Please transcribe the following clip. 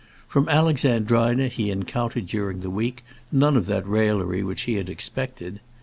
From Alexandrina he encountered during the week none of that raillery which he had expected.